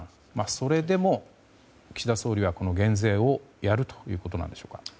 それでも岸田総理は減税をやるということなんでしょうか。